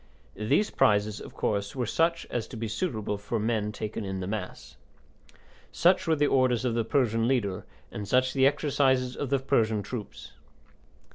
These prizes, of course, were such as to be suitable for men taken in the mass. Such were the orders of the Persian leader, and such the exercises of the Persian troops.